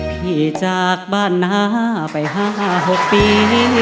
จากบ้านน้าไป๕๖ปี